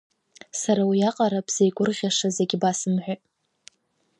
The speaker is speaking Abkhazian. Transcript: Сара уиаҟара бзеигәырӷьашаз егьбасымҳәеит.